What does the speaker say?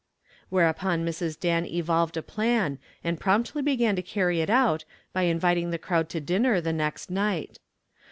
Whereupon Mrs. Dan evolved a plan, and promptly began to carry it out by inviting the crowd to dinner the next night.